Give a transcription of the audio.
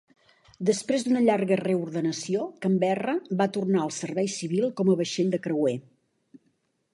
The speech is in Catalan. Després d'una llarga reordenació, "Canberra" va tornar al servei civil com a vaixell de creuer.